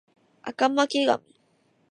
赤巻紙